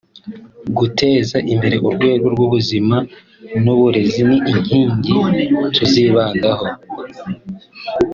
Guteza imbere urwego rw’ubuzima n’uburezi ni inkingi tuzibandaho